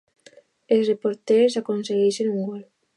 Els reporters aconsegueixen un gol.